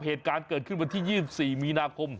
เหตุการณ์เกิดขึ้นวันที่๒๔มีนาคม